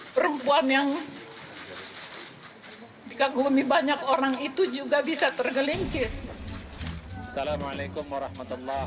perempuan yang dikagumi banyak orang itu juga bisa tergelincir salamualaikum warahmatullah